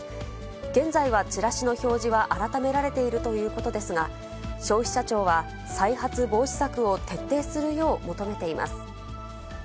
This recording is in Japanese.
現在はチラシの表示は改められているということですが、消費者庁は再発防止策を徹底するよう求めています。